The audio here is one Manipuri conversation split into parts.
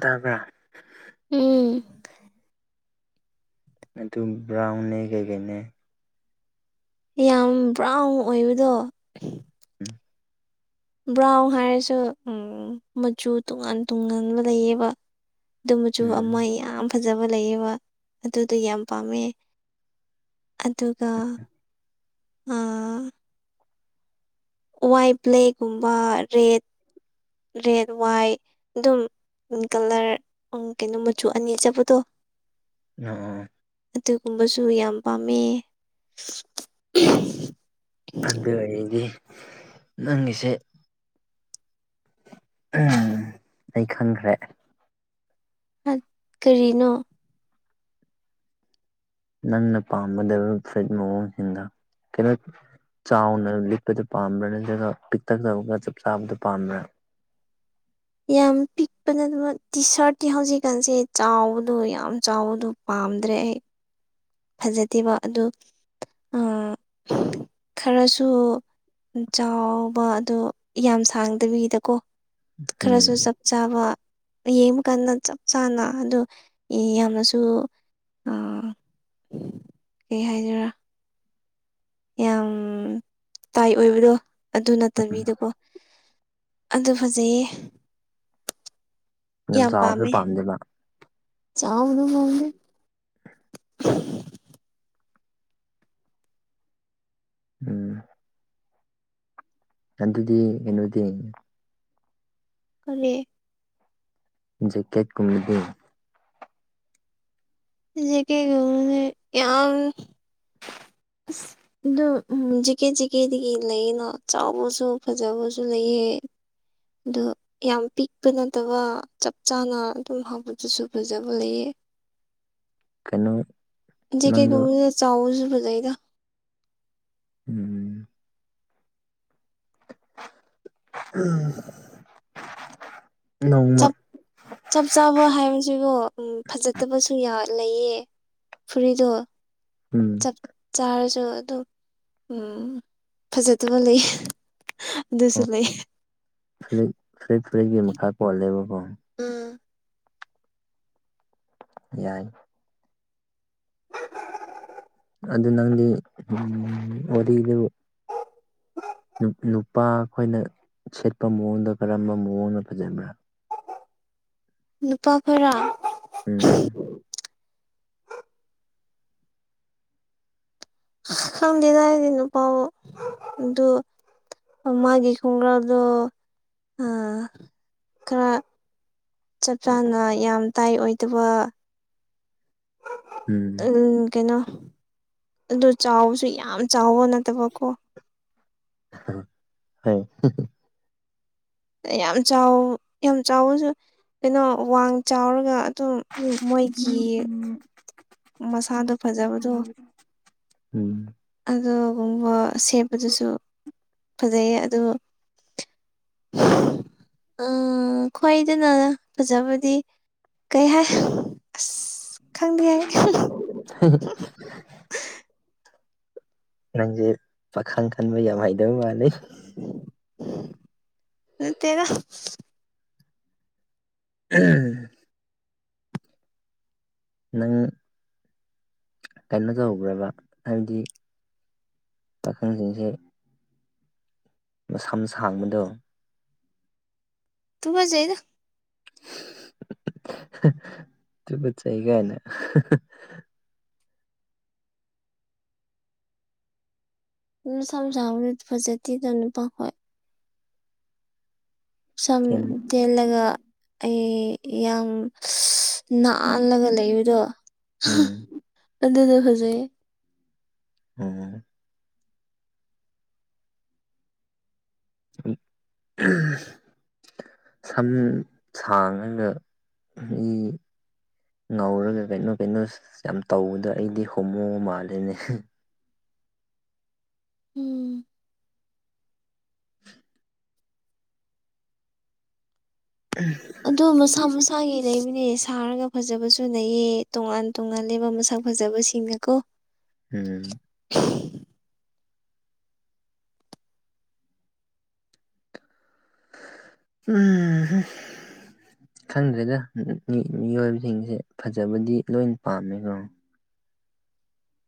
ꯇꯕ꯭ꯔꯥ ꯎꯝ ꯑꯗꯨ ꯕ꯭ꯔꯥꯎꯟꯅꯦ ꯀꯩ ꯀꯩꯅꯦ ꯌꯥꯝ ꯕ꯭ꯔꯥꯎꯟ ꯑꯣꯏꯕꯗꯣ ꯎꯝ ꯕ꯭ꯔꯥꯎꯟ ꯍꯥꯏꯔꯁꯨ ꯎꯝ ꯃꯆꯨ ꯇꯣꯉꯥꯟ ꯇꯣꯉꯥꯟꯕ ꯂꯩꯌꯦꯕ ꯑꯗꯨ ꯃꯆꯨ ꯎꯝ ꯑꯃ ꯌꯥꯝ ꯐꯖꯕ ꯂꯩꯌꯦꯕ ꯑꯗꯨꯗꯣ ꯌꯥꯝ ꯄꯥꯝꯃꯦ ꯑꯗꯨꯒ ꯑꯥ ꯋꯥꯏꯠ ꯕ꯭ꯂꯦꯛꯒꯨꯝꯕ ꯔꯦꯠ ꯔꯦꯠ ꯋꯥꯏꯠ ꯑꯗꯨꯝ ꯎꯝ ꯀꯂꯔ ꯀꯩꯅꯣ ꯃꯆꯨ ꯑꯅꯤ ꯆꯠꯄꯗꯣ ꯑꯥ ꯑꯥ ꯑꯗꯨꯒꯨꯝꯕꯁꯨ ꯌꯥꯝ ꯄꯥꯝꯃꯦ ꯑꯗꯨ ꯑꯣꯏꯔꯗꯤ ꯅꯪꯒꯤꯁꯦ ꯎꯝ ꯑꯩ ꯈꯪꯈ꯭ꯔꯦ ꯀꯔꯤꯅꯣ ꯅꯪꯅ ꯄꯥꯝꯒꯗꯕ ꯐꯨꯔꯤꯠ ꯃꯑꯣꯡꯁꯤꯡꯗꯣ ꯀꯩꯅꯣ ꯆꯥꯎꯅ ꯂꯤꯠꯄꯗꯣ ꯄꯥꯝꯕ꯭ꯔꯥ ꯅꯠꯇ꯭ꯔꯒ ꯄꯤꯛꯇꯛ ꯇꯧꯔꯒ ꯆꯞ ꯆꯥꯕꯗꯨ ꯄꯥꯝꯕ꯭ꯔꯥ ꯌꯥꯝ ꯄꯤꯛꯄ ꯅꯠꯇꯕ ꯇꯤ ꯁꯥꯔꯠꯇꯤ ꯍꯧꯖꯤꯛꯀꯥꯟꯁꯦ ꯆꯥꯎꯕꯗꯣ ꯌꯥꯝ ꯆꯥꯎꯕꯗꯣ ꯄꯥꯝꯗ꯭ꯔꯦ ꯑꯩ ꯐꯖꯗꯦꯕ ꯑꯗꯨ ꯈꯔꯁꯨ ꯆꯥꯎꯕ ꯑꯗꯣ ꯌꯥꯝ ꯁꯥꯡꯗꯕꯤꯗꯀꯣ ꯎꯝ ꯈꯔꯁꯨ ꯆꯞ ꯆꯥꯕ ꯌꯦꯡꯕꯀꯟꯗ ꯆꯞ ꯆꯥꯅ ꯑꯗꯨ ꯌꯥꯝꯅꯁꯨ [inaudible] ꯀꯩ ꯍꯥꯏꯁꯤꯔꯥ ꯌꯥꯝ ꯇꯥꯏꯠ ꯑꯣꯏꯕꯗꯣ ꯑꯗꯨ ꯅꯠꯇꯕꯤꯗꯀꯣ ꯑꯗꯨ ꯐꯖꯩꯌꯦ ꯌꯥꯝ ꯆꯥꯎꯔꯁꯨ ꯄꯥꯝꯃꯦ ꯄꯥꯝꯗꯦꯕ ꯆꯥꯎꯕꯗꯨ ꯄꯥꯝꯗꯦ ꯎꯝ ꯑꯗꯨꯗꯤ ꯀꯩꯅꯣꯗꯤ ꯀꯔꯤ ꯖꯦꯀꯦꯠ ꯀꯨꯝꯕꯗꯤ ꯖꯦꯀꯦꯠ ꯀꯨꯝꯕꯗꯤ ꯌꯥꯝ ꯑꯁ ꯑꯗꯨ ꯖꯦꯀꯦꯠ ꯖꯦꯀꯦꯠꯒꯤ ꯂꯩꯌꯦꯅ ꯆꯥꯎꯕꯁꯨ ꯐꯖꯕꯁꯨ ꯂꯩꯌꯦ ꯑꯗꯨ ꯌꯥꯝ ꯄꯤꯛꯄ ꯅꯠꯇꯕ ꯆꯞ ꯆꯥꯅ ꯑꯗꯨꯝ ꯍꯥꯞꯄꯗꯁꯨ ꯐꯖꯕ ꯂꯩꯌꯦ ꯀꯩꯅꯣ ꯖꯦꯀꯦꯠ ꯅꯪꯗꯣ ꯀꯨꯝꯕꯗꯨꯅ ꯆꯥꯎꯕꯁꯨ ꯐꯖꯩꯗ ꯎꯝ ꯎꯝ ꯅꯣꯡꯃ ꯆꯞ ꯆꯞ ꯆꯥꯕ ꯍꯥꯏꯕꯁꯤꯕꯣ ꯎꯝ ꯐꯖꯗꯕꯁꯨ ꯂꯩꯌꯦ ꯐꯨꯔꯤꯠꯇꯣ ꯎꯝ ꯆꯞ ꯆꯥꯔꯁꯨ ꯑꯗꯨꯝ ꯎꯝ ꯐꯖꯗꯕ ꯂꯩꯌꯦ ꯑꯗꯨꯁꯨ ꯑꯣ ꯂꯩꯌꯦ ꯐꯨꯔꯤꯠ ꯐꯨꯔꯤꯠ ꯐꯔꯤꯠꯀꯤ ꯃꯈꯥ ꯄꯣꯜꯂꯦꯕꯀꯣ ꯎꯝ ꯌꯥꯏ ꯑꯗꯨ ꯅꯪꯗꯤ ꯎꯝ ꯋꯥꯔꯤꯗꯨ ꯅꯨꯄꯥ ꯑꯩꯈꯣꯏꯅ ꯁꯦꯠꯄ ꯃꯑꯣꯡꯗ ꯀꯔꯝꯕ ꯃꯑꯣꯡꯅ ꯐꯖꯕ꯭ꯔꯥ ꯅꯨꯄꯥ ꯈꯣꯢꯔꯣ ꯎꯝ ꯈꯪꯗꯤꯗ ꯑꯩꯗꯤ ꯅꯨꯄꯥ ꯑꯗꯨ ꯃꯥꯒꯤ ꯈꯣꯡꯒ꯭ꯔꯥꯎꯗꯣ ꯈꯔ ꯆꯞ ꯆꯥꯅ ꯌꯥꯝ ꯇꯥꯏꯠ ꯑꯣꯏꯗꯕ ꯎꯝ ꯀꯩꯅꯣ ꯑꯗꯨ ꯆꯥꯎꯕꯁꯨ ꯌꯥꯝ ꯆꯥꯎꯕ ꯅꯠꯇꯕꯀꯣ ꯍ [inaudible] ꯌꯥꯝ ꯆꯥꯎ ꯌꯥꯝ ꯆꯥꯎꯕꯁꯨ ꯀꯩꯅꯣ ꯋꯥꯡ ꯆꯥꯎꯔꯒ ꯑꯗꯨ ꯃꯣꯏꯒꯤ ꯃꯁꯥꯗꯣ ꯐꯖꯕꯗꯣ ꯎꯝ ꯑꯗꯨꯒꯨꯝꯕ ꯁꯦꯠꯄꯗꯨꯁꯨ ꯐꯖꯩꯌꯦ ꯑꯗꯨ ꯎꯝ ꯈ꯭ꯋꯥꯏꯗꯅ ꯐꯖꯕꯗꯤ ꯀꯩ ꯍꯥꯏ ꯑꯁ ꯈꯪꯗꯦ ꯑꯩ ꯅꯪꯁꯦ ꯄꯥꯈꯪ ꯈꯟꯕ ꯌꯥꯝ ꯍꯩꯗꯧꯕ ꯃꯥꯂꯦ ꯅꯠꯇꯦꯗ ꯎꯝ [inaudible] ꯅꯪ ꯀꯩꯅꯣ ꯇꯧꯕ꯭ꯔꯕ ꯍꯥꯏꯕꯗꯤ ꯄꯥꯈꯪꯁꯤꯡꯁꯦ ꯃꯁꯝ ꯁꯥꯡꯕꯗꯣ ꯇꯨꯒꯨꯠꯖꯩꯗ ꯇꯨꯒꯠꯆꯩꯒꯥꯏꯅ꯫ ꯃꯁꯥꯝ ꯁꯥꯡꯕꯁꯦ ꯐꯖꯗꯦ ꯅꯨꯄꯥ ꯈꯣꯢ ꯁꯝ ꯇꯦꯟ ꯇꯦꯜꯂꯒ ꯑꯩ ꯌꯥꯝ꯫ ꯅꯥꯜꯂꯒ ꯂꯩꯕꯗꯣ ꯎꯝ ꯑꯗꯨꯗꯨ ꯐꯖꯩꯌ‌ꯦ꯫ ꯑꯝ ꯎꯝ꯫ [inaudible] ꯁꯝ ꯁꯥꯡꯉꯒ ꯃꯤ꯫ ꯉꯧꯔꯒ ꯀꯩꯅꯣ ꯀꯩꯅꯣ ꯌꯥꯝ ꯇꯧꯕꯗꯣ ꯑꯩꯗꯤ ꯍꯣꯃꯣ ꯃꯥꯂꯤꯅꯦ꯫ ꯎꯝ꯫ ꯎꯝ [inaudible] ꯑꯗꯨꯗꯣ ꯃꯁꯥ ꯃꯁꯥꯒꯤ ꯂꯩꯕꯅꯦ ꯁꯥꯔꯒ ꯐꯖꯕꯁꯨ ꯂꯩꯌꯦ ꯇꯣꯉꯥꯟ ꯇꯣꯉꯥꯟꯂꯦꯕ ꯃꯁꯛ ꯐꯖꯕꯁꯤꯡ ꯏꯪꯅꯀꯣ ꯑꯝ ꯎꯝ ꯍꯨꯝ ꯈꯪꯗ꯭ꯔꯦꯗ ꯃꯤꯑꯣꯏꯕꯁꯤꯡꯁꯦ ꯐꯖꯕꯗꯤ ꯂꯣꯏ ꯄꯥꯝꯃꯦ ꯀꯣ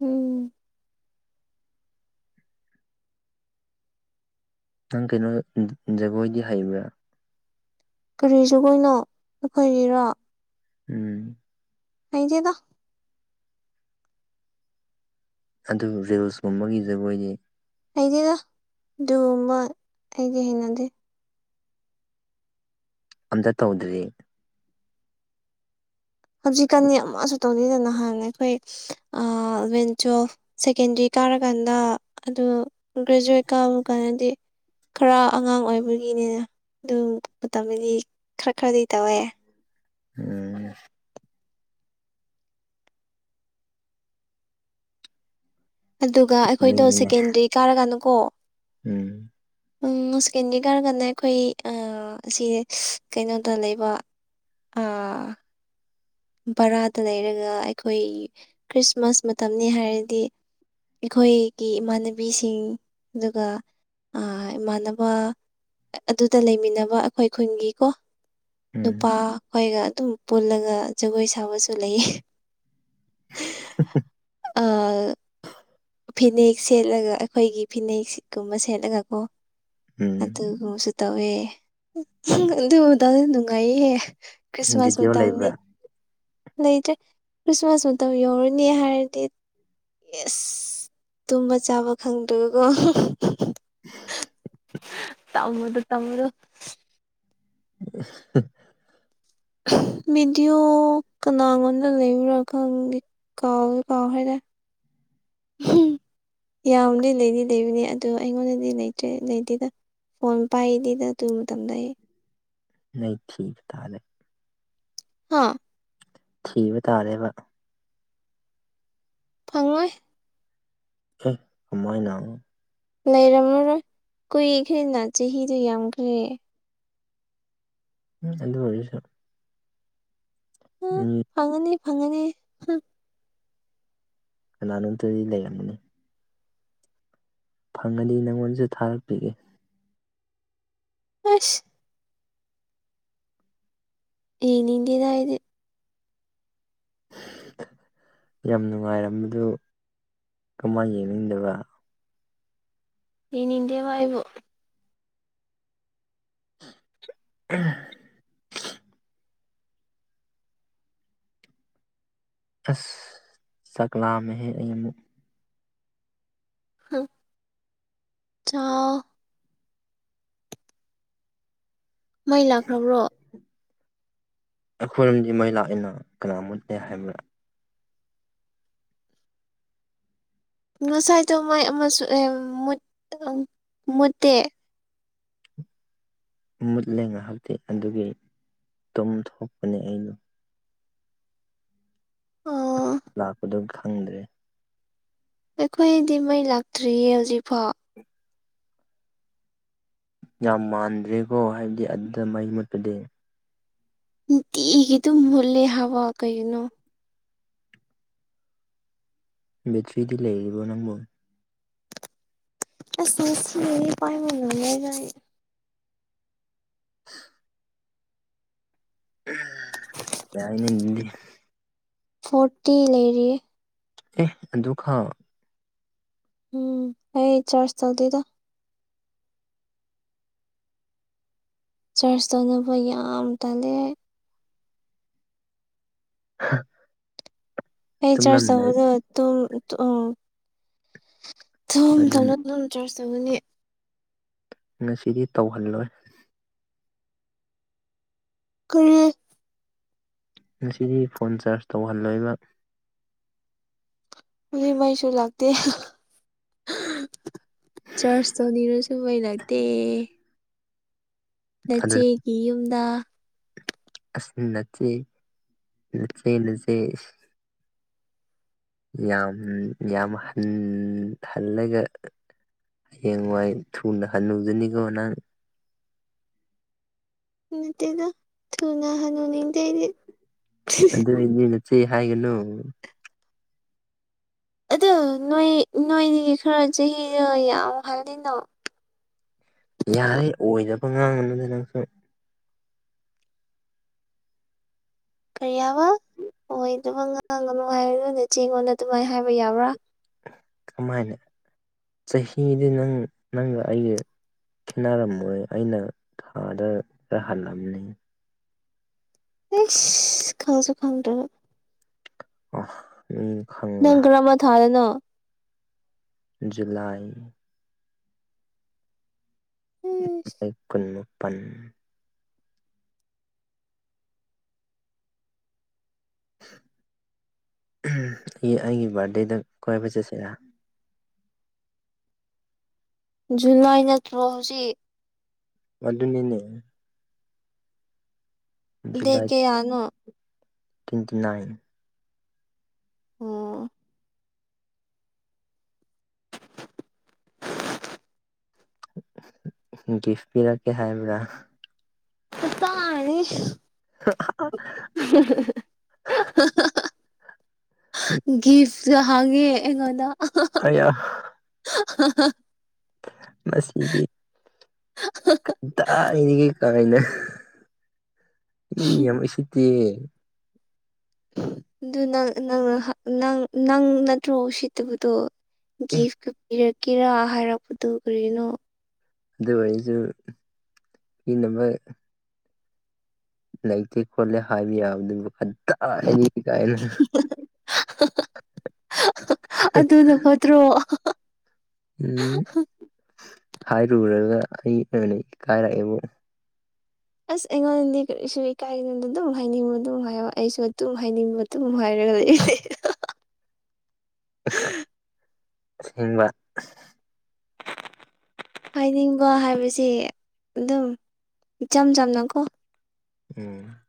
ꯎꯝ ꯅꯪ ꯀꯩꯅꯣ ꯖꯒꯣꯏꯗꯤ ꯍꯩꯕ꯭ꯔꯥ ꯀꯔꯤ ꯖꯒꯣꯢ ꯅꯣ ꯑꯩꯈꯣꯏꯒꯤꯔꯣ ꯎꯝ꯫ ꯍꯩꯗ‌ꯦꯗ꯫ ꯑꯗꯨ ꯔꯤꯜꯁꯀꯨꯝꯕꯒꯤ ꯖꯒꯣꯏꯗꯤ꯫ ꯍꯩꯗ‌ꯦꯗ ꯑꯗꯨꯒꯨꯝꯕ ꯑꯩꯗꯤ ꯍꯩꯅꯗꯦ꯫ ꯑꯝꯇ ꯇꯧꯗ꯭ꯔꯤ꯫ ꯍꯧꯖꯤꯛꯀꯥꯟꯅꯤ ꯑꯃꯁꯨ ꯇꯧꯗꯦꯗ ꯅꯍꯥꯟꯅ ꯑꯈꯣꯏ ꯑꯦꯂꯚꯦꯟ ꯇꯨꯋꯦꯜꯐ꯫ ꯁꯦꯀꯦꯟꯗꯔꯤ ꯀꯥꯔꯀꯥꯟꯗ ꯑꯗꯨ ꯒ꯭ꯔꯦꯖꯨꯋꯦꯠ ꯀꯥꯕ ꯀꯥꯟꯗꯗꯤ꯫ ꯈꯔ ꯑꯉꯥꯡ ꯑꯣꯏꯕꯒꯤꯅꯤꯅ ꯑꯗꯨ ꯃꯇꯝꯗꯗꯤ ꯈꯔ ꯈꯔꯗꯤ ꯇꯧꯋꯦ꯫ ꯎꯝ꯫ ꯑꯗꯨꯒ ꯑꯈꯣꯏꯗꯣ ꯃꯤꯒꯤꯅꯦ ꯁꯦꯀꯦꯟꯗ꯭ꯔꯤ ꯀꯥꯔꯒꯥꯟꯗꯀꯣ꯫ ꯎꯝ꯫ ꯎꯝ ꯉꯁꯤꯀꯦꯟꯗ꯭ꯔꯤ ꯀꯥꯒꯥꯟꯗ ꯑꯈꯣꯏ ꯁꯤ ꯀꯩꯅꯣꯗ ꯂꯩꯕ꯫ ꯑꯥ꯫ ꯕꯔꯥꯗ ꯂꯩꯔꯒ ꯑꯈꯣꯏ ꯈ꯭ꯔꯤꯁꯃꯥꯁ ꯃꯇꯝꯅꯤ ꯍꯥꯏꯔꯗꯤ꯫ ꯑꯈꯣꯏꯒꯤ ꯏꯃꯥꯟꯅꯕꯤꯁꯤꯡ ꯑꯗꯨꯒ ꯏꯃꯥꯟꯅꯕ꯫ ꯑꯗꯨꯗ ꯂꯩꯃꯤꯟꯅꯕ ꯑꯩꯈꯣꯏ ꯈꯨꯟꯒꯤ ꯀꯣ꯫ ꯎꯝ ꯅꯨꯄꯥ ꯈꯣꯏꯒ ꯑꯗꯨꯝ ꯄꯨꯜꯂꯒ ꯖꯒꯣꯏ ꯁꯥꯕꯁꯨ ꯂꯩꯌꯦ꯫ ꯑꯥ꯫ ꯫ [unintelligible] ꯐꯤꯅꯦꯛ ꯁꯦꯠꯂꯒ ꯑꯩꯈꯣꯏꯒꯤ ꯐꯤꯅꯦꯛ ꯀꯨꯝꯕ ꯁꯦꯠꯂꯒ ꯀꯣ꯫ ꯎꯝ꯫ ꯑꯗꯨꯒꯨꯝꯕꯁꯨ ꯇꯧꯋꯦ ꯑꯗꯨ ꯃꯇꯝꯗꯨ ꯅꯨꯡꯉꯥꯏꯌꯦꯍ‌ꯦ꯫ ꯈ꯭ꯔꯤꯁꯃꯁ ꯚꯤꯗꯤꯑꯣ ꯃꯇꯝꯗꯤ ꯂꯩꯕ꯭ꯔꯥ ꯂꯩꯇ꯭ꯔꯦ ꯈ꯭ꯔꯤꯁꯃꯥꯁ ꯃꯇꯝ ꯌꯧꯔꯅꯤ ꯍꯥꯏꯔꯗꯤ ꯏꯁ꯫ ꯇꯨꯝꯕ ꯆꯥꯕ ꯈꯪꯗ꯭ꯔꯕ ꯀꫭ꯫ ꯫ [unintelligible] ꯇꯝꯕꯗꯨ ꯇꯝꯕꯗꯨ꯫ ꯫ [inaudible] ꯚꯗꯤꯑꯣ ꯀꯅꯥꯉꯣꯟꯗ ꯂꯩꯕ꯭ꯔꯥ ꯈꯪꯗ‌ꯦ꯫ ꯀꯥꯎꯕꯨ ꯀꯥꯎ ꯈ꯭ꯔ‌ꯦꯗ꯫ [unintelligible] ꯌꯥꯝꯗꯤ ꯂꯩꯗꯤ ꯂꯩꯕꯅꯦ ꯑꯗꯨꯗꯣ ꯑꯩꯉꯣꯟꯗꯗꯤ ꯂꯩꯇ꯭ꯔꯦ ꯂꯩꯗꯦꯗ ꯐꯣꯟ ꯄꯥꯏꯗꯦꯗ ꯗꯨ ꯃꯇꯝꯗ ꯑꯩ ꯅ ꯊ ꯊꯥꯔꯦ [inaudible] ꯍꯥꯥ ꯊꯤꯕ ꯇꯥꯔꯦꯕ ꯐꯪꯉꯣꯏ ꯀꯃꯥꯢꯅ ꯂꯩꯔꯝꯃꯔꯣꯏ ꯀꯨꯏꯈꯦꯅ ꯆꯍꯤꯗꯨ ꯌꯥꯝꯈ꯭ꯔꯦ ꯎꯝ ꯑꯗꯨ ꯑꯣꯏꯔꯁꯨ ꯍꯨꯝ ꯎꯝ ꯐꯪꯉꯅꯤ ꯐꯪꯉꯅꯤ꯫ ꯍꯨꯝ ꯀꯅꯥꯅꯣꯝꯇꯗꯤ ꯂꯩꯔꯝꯒꯅꯤ ꯐꯪꯉꯗꯤ ꯅꯪꯉꯣꯟꯁꯨ ꯊꯥꯔꯛꯄꯤꯒꯦ꯫ ꯑꯁ꯫ ꯌꯦꯡꯅꯤꯡꯗ‌ꯦꯗ ꯑꯩꯗꯤ꯫ ꯌꯥꯝ ꯅꯨꯡꯉꯥꯏꯔꯝꯕꯗꯨ ꯀꯃꯥꯏꯅ ꯌꯦꯡꯅꯤꯡꯗꯕ꯫ ꯌ‌ꯦꯅꯤꯡꯗ‌ꯦꯕ ꯑꯩꯕꯨ꯫ ꯫ [inaudible] ꯑꯁ ꯆꯥꯛꯂꯥꯝꯃ‌ꯦ ꯍ‌ꯦ ꯑꯩ꯫ ꯆꯥꯎ꯫ ꯃꯩ ꯂꯥꯛꯈ꯭ꯔꯕ꯭ꯔꯣ꯫ ꯑꯩꯈꯣꯏꯔꯣꯝꯗꯤ ꯃꯩ ꯂꯥꯛꯏꯅ ꯀꯅꯥ ꯃꯨꯠꯂꯦ ꯍꯥꯏꯕ꯭ꯔꯥ ꯉꯁꯥꯏꯗꯣ ꯃꯥꯏ ꯑꯃꯁꯨ ꯃꯨꯠꯇꯦ ꯃꯨꯠꯂꯦ ꯉꯥꯏꯍꯥꯛꯇꯤ ꯑꯗꯨꯒꯤ ꯇꯨꯝ ꯊꯣꯛꯄꯅꯦ ꯑꯩꯩꯗꯣ ꯑꯣ ꯂꯥꯛꯄꯗꯣ ꯈꯪꯗ꯭ꯔꯦ ꯑꯩꯈꯣꯏꯗꯤ ꯃꯩ ꯂꯥꯛꯇ꯭ꯔꯤꯌꯦ ꯍꯧꯖꯤꯛꯐꯥꯎ ꯌꯥꯝ ꯃꯥꯟꯗ꯭ꯔꯦꯀꯣ ꯍꯥꯏꯕꯗꯤ ꯑꯗꯨꯗ ꯃꯍꯩ ꯃꯨꯠꯄꯗꯤ ꯅꯨꯡꯇꯤꯒꯤ ꯑꯗꯨꯝ ꯃꯨꯜꯂꯦ ꯍꯥꯏꯕ ꯀꯩꯒꯤꯅꯣ ꯕꯦꯇ꯭ꯔꯤꯗꯤ ꯂꯩꯔꯤꯕꯣ ꯅꯪꯕꯨ ꯑꯁ ꯉꯁꯤꯒꯤ ꯄꯥꯏꯕꯥ ꯅꯪꯗꯦꯗꯥ ꯑꯩ ꯎ [inaudible] ꯌꯥꯏꯅ [inaudible] ꯐꯣꯔꯇꯤ ꯂꯩꯔꯤ ꯑꯦ ꯑꯗꯨ ꯈꯥꯛ ꯎꯝ ꯑꯩ ꯆꯥꯁ ꯇꯧꯗꯦꯗ ꯆꯔꯁ ꯇꯧꯅꯕ ꯌꯥꯝ ꯇꯜꯂꯦ ꯍꯥ ꯍꯩ ꯆꯔ ꯆꯗ ꯇ ꯊꯣ [inaudible] ꯑꯗꯨꯝ ꯆꯔꯁ ꯇꯧꯒꯅꯤ ꯉꯁꯤꯗꯤ ꯇꯧꯍꯜꯂꯣꯏ ꯀꯔꯤ ꯉꯁꯤꯗꯤ ꯐꯣꯟ ꯆꯥꯔꯖ ꯇꯧꯍꯜꯂꯣꯏꯕ ꯃꯩꯁꯨ ꯂꯥꯛꯇꯦ ꯆꯥꯔꯆ ꯇꯧꯅꯤꯡꯔꯁꯨ ꯃꯩ ꯂꯛꯇꯦ ꯑꯗꯨꯅ ꯅꯆꯦꯒꯤ ꯌꯨꯝꯗ ꯑꯁ ꯅꯆꯦ ꯅꯆꯦ ꯅꯆꯦ ꯌꯥꯝ ꯌꯥꯝ ꯍꯟ ꯍꯜꯂꯒ ꯍꯦꯡꯋꯥꯏ ꯊꯨꯅ ꯍꯥꯅꯨꯖꯅꯤꯀꯣ ꯅꯪ ꯅꯠꯇꯦꯗ ꯊꯨꯅ ꯍꯅꯨꯅꯤꯡꯗꯦ ꯑꯩꯗꯤ ꯑꯗꯨꯗꯤ ꯅꯆꯦ ꯍꯥꯏꯒꯅꯨ ꯑꯗꯨ ꯅꯣꯏ ꯅꯣꯏꯗꯤ ꯈꯔ ꯆꯍꯤꯗ ꯌꯥꯝꯍꯜꯂꯤꯅꯣ ꯌꯥꯔꯦ ꯑꯣꯏꯗꯕ ꯉꯥꯡꯉꯅꯨꯗ ꯅꯪꯁꯨ ꯀꯩ ꯍꯥꯢꯕ ꯑꯗꯨꯝ ꯉꯥꯡꯒꯅꯨ ꯍꯥꯣꯔꯒ ꯅꯆꯦꯡꯉꯣꯟꯗ ꯑꯗꯨꯃꯥꯏꯅ ꯍꯥꯏꯕ ꯌꯥꯕ꯭ꯔꯥ ꯀꯃꯥꯏꯅ ꯆꯍꯤꯗꯤ ꯅꯪ ꯅꯪꯒ ꯑꯩꯒ ꯈꯦꯅꯔꯝꯃꯣꯏ ꯑꯩꯅ ꯊꯥꯗ ꯈꯔ ꯍꯜꯂꯝꯅꯤ ꯏꯁ ꯈꯪꯁꯨ ꯈꯪꯗꯔꯒ ꯎꯝ ꯈꯪ ꯅꯪ ꯀꯔꯝꯕ ꯊꯥꯗꯅꯣ ꯖꯨꯂꯥꯏ ꯀꯨꯟ ꯃꯄꯜ ꯑꯩꯒꯤ ꯕꯥꯔꯗꯦꯗ ꯀꯣꯢꯕ ꯆꯠꯁꯤꯔ ꯖꯨꯂꯥꯢ ꯅꯠꯇ꯭ꯔꯣ ꯍꯧꯖꯤꯛ ꯃꯗꯨꯅꯤꯅꯦ ꯗꯦꯠ ꯖꯨꯂꯥꯏ ꯀꯌꯥꯅꯣ ꯇ꯭ꯋꯦꯟꯇꯤ ꯅꯥꯏꯟ ꯑꯣ ꯒꯤꯐ ꯄꯤꯔꯛꯀꯦ ꯍꯥꯏꯕ꯭ꯔꯥ ꯀꯗꯥꯢꯇꯒꯤ [inaudible] ꯒꯤ [inaudible] ꯍꯥꯡꯉꯦ ꯑꯩꯉꯣꯟꯗ ꯑꯩꯌꯥ [inaudible] ꯃꯁꯤꯗꯤ ꯀꯗꯥꯥꯢꯗꯒꯤ ꯀꯥꯏꯅ ꯃꯤ ꯌꯥꯝ ꯎꯁꯤꯠꯇꯦ ꯑꯗꯨ ꯅꯪ ꯅꯪ ꯅꯪ ꯅꯠꯇ꯭ꯔꯣ ꯎꯁꯤꯠꯇꯕꯗꯣ ꯑꯦ ꯒꯤꯐꯀ ꯄꯤꯔꯛꯀꯦꯔꯥ ꯍꯥꯏꯔꯛꯄꯗꯨ ꯀꯔꯤꯅꯣ ꯑꯗꯨ ꯑꯣꯢꯔꯁꯨ ꯄꯤꯅꯕ ꯂꯩꯇꯦ ꯈꯣꯠꯂꯦ ꯍꯥꯏꯕ ꯌꯥꯕꯗꯨ ꯀꯗꯥꯢꯗꯒꯤ ꯀꯥꯏꯅ ꯑꯗꯨꯅ ꯐꯠꯇ꯭ꯔꯣ ꯎꯝ ꯍꯥꯏꯔꯨꯔꯒ ꯑꯩ ꯑꯣꯏꯅ ꯏꯀꯥꯏꯔꯛꯑꯦꯕꯨ ꯑꯁ ꯑꯩꯉꯣꯟꯗꯗꯤ ꯀꯔꯤꯁꯨ ꯏꯀꯥꯏꯒꯤꯅꯣꯗ ꯑꯗꯨꯝ ꯍꯥꯏꯅꯤꯡꯉꯣ ꯑꯗꯨꯝ ꯍꯥꯏꯌꯣ ꯑꯩꯁꯨ ꯑꯗꯨꯝ ꯍꯥꯏꯅꯤꯡꯕ ꯑꯗꯨꯝ ꯍꯥꯏꯔꯒ ꯂꯩ ꯑꯁꯦꯡꯕ ꯍꯥꯏꯅꯤꯡꯕ ꯍꯥꯏꯕꯁꯦ ꯑꯗꯨꯝ ꯏꯆꯝ ꯆꯝꯅꯀꯣ ꯎꯝ